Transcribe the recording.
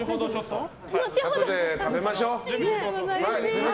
あとで食べましょう。